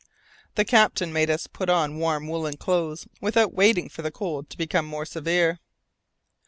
The captain made us put on warm woollen clothes without waiting for the cold to become more severe.